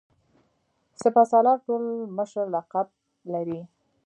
سپه سالار ټول مشر لقب لري.